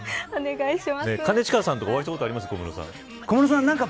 兼近さんとか、お会いしたことあ小室さん